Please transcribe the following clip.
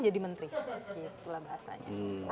jadi menteri gitu lah bahasanya